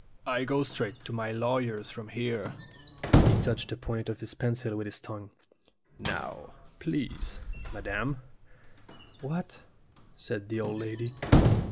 I go straight to my lawyer's from here." He touched the point of his pencil with his tongue. "Now, please, madam ?" "What?" said the old lady.